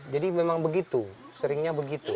jadi memang begitu seringnya begitu